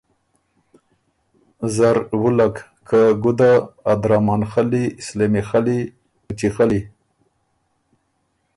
زر وُلّک که ګُدۀ ا درامان خلّی، سلېمی خلی، مُچی خلی،